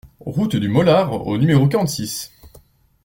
Route du Molard au numéro quarante-six